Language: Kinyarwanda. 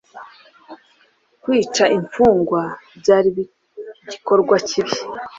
Kwica imfungwa byari igikorwa kibi.